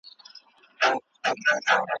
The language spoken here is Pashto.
چي به خبره د پښتو چي د غیرت به سوله